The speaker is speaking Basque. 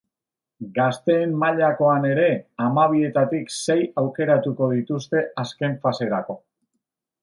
Gazteen mailakoan ere, hamabietatik sei aukeratuko dituzte azken faserako.